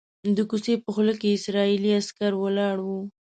د کوڅې په خوله کې اسرائیلي عسکر ولاړ وو.